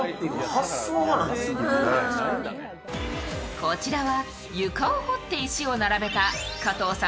こちらは床を掘って石を並べた加藤さん